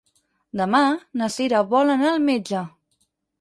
Demà na Cira vol anar al metge.